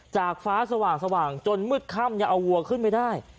ฟ้าสว่างจนมืดค่ำยังเอาวัวขึ้นไม่ได้